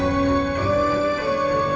ya kita berhasil